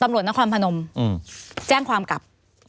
ตำรวจนครพนมแจ้งความกลับ